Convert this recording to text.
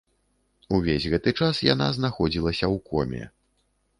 Увесь гэты час яна знаходзілася ў коме.